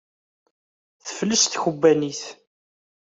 Tefles tkebbanit.